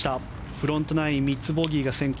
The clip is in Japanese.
フロントナイン３つボギーが先行。